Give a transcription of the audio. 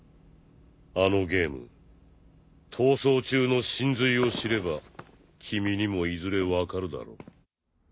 あのゲーム逃走中の神髄を知れば君にもいずれ分かるだろう。